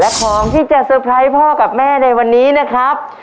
และข้ามที่จะสุขฟังพ่อกับแม่ในวันนี้นะครับ